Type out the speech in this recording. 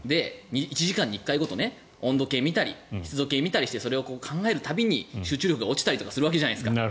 １時間に１回ごと温度計を見たり湿度計を見たりしてそれを考える度に集中力が落ちたりするわけじゃないですか。